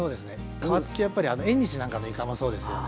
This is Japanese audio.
皮付きはやっぱり縁日なんかのいかもそうですよね。